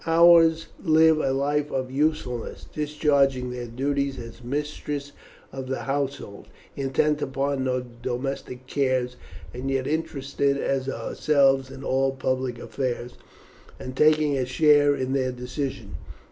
Ours live a life of usefulness, discharging their duties as mistress of the household, intent upon domestic cares, and yet interested as ourselves in all public affairs, and taking a share in their decision.